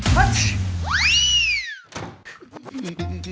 พี่ปั๊ก